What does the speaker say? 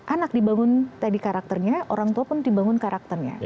anak dibangun tadi karakternya orang tua pun dibangun karakternya